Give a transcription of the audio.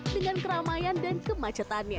dengan keramaian dan kemacetannya